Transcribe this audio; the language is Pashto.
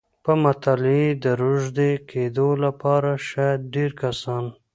په مطالعې د روږدي کېدو لپاره شاید ډېری کسان